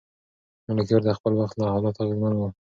ملکیار د خپل وخت له حالاتو اغېزمن و.